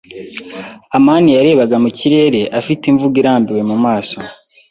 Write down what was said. amani yarebaga mu kirere afite imvugo irambiwe mu maso.